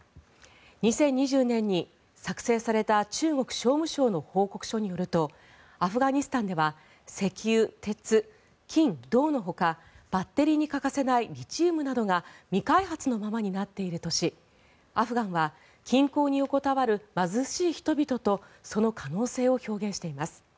２０２０年に作成された中国商務省の報告書によるとアフガニスタンでは石油、鉄、金、銅のほかバッテリーに欠かせないリチウムなどが未開発のままになっているとしアフガンは金鉱に横たわる貧しい人々とその可能性を表現しています。